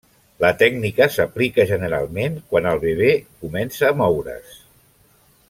La tècnica s'aplica generalment quan el bebè comença a moure's.